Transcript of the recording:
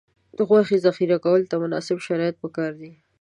د غوښې ذخیره کولو ته مناسب شرایط پکار دي.